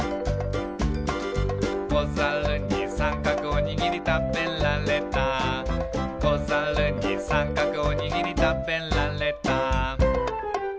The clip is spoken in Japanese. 「こざるにさんかくおにぎりたべられた」「こざるにさんかくおにぎりたべられた」